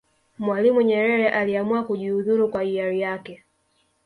mwalimu nyerere aliamua kujihudhuru kwa hiari yake